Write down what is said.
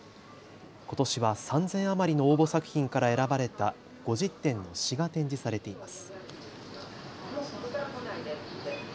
ことしは３０００余りの応募作品から選ばれた５０点の詩が展示されています。